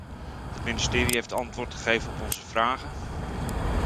Het ministerie heeft antwoord gegeven op onze vragen.